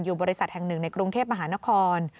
บริษัทแห่งหนึ่งในกรุงเทพมหานคร